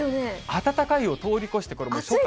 暖かいを通り越して、これもう初夏。